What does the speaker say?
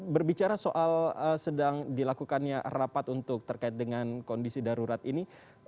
berbicara soal sedang dilakukannya rapat untuk terkait dengan kondisi darurat ini